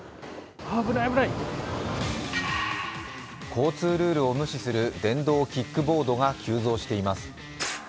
交通ルールを無視する電動キックボードが急増しています。